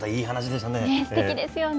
すてきですよね。